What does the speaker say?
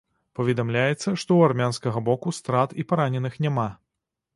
Паведамляецца, што ў армянскага боку страт і параненых няма.